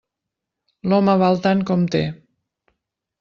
L'home val tant com té.